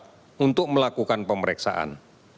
menunjui syarat untuk melakukan pemeriksaan